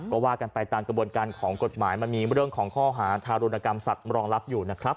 ก็ว่ากันไปตามกระบวนการของกฎหมายมันมีเรื่องของข้อหาทารุณกรรมสัตว์รองรับอยู่นะครับ